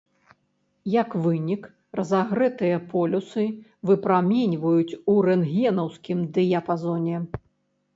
Як вынік, разагрэтыя полюсы выпраменьваюць у рэнтгенаўскім дыяпазоне.